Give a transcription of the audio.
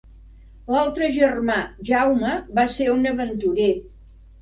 L'altre germà, Jaume, va ser un aventurer.